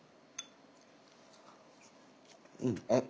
うんあっ。